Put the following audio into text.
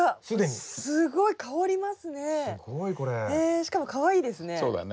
しかもかわいいですね。